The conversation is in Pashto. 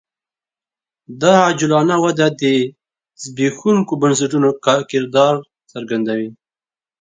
دا عجولانه وده د زبېښونکو بنسټونو کردار څرګندوي